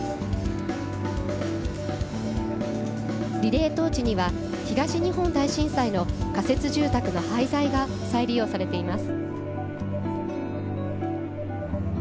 リレートーチには東日本大震災の仮設住宅の廃材が再利用されています。